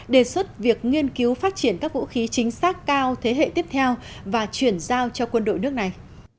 đề xuất việc nghiên cứu phát triển các vũ khí chính xác cao thế hệ tiếp theo và chuyển giao cho quân đội nước này